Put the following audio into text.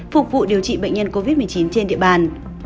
phục vụ điều trị bệnh nhân covid một mươi chín trên địa bàn